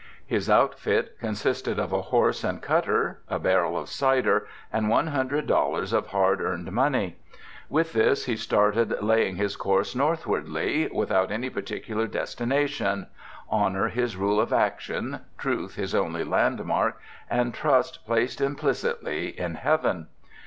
His outfit consisted of a horse and cutter, a barrel of cider, and one hundred dollars of hard earned money. With this he started, laying his course north wardl}^ without any particular destination, Honour his rule of action. Truth his only landmark, and trust placed implicitl}'' in Heaven.